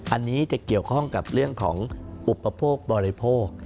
อันนี้จะเกี่ยวข้องกับเรื่องของอุปโภคบริโภค